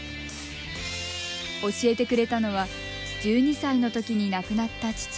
教えてくれたのは１２歳のときに亡くなった父。